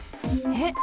えっ？